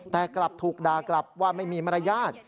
แต่กลับถูกด่ากลับว่าไม่มีมารยาท